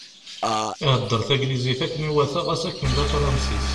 Ihedder taglizit akken iwata ɣas akken d Afransis.